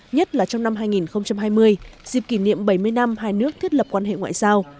nhất là trong năm hai nghìn hai mươi dịp kỷ niệm bảy mươi năm hai nước thiết lập quan hệ ngoại giao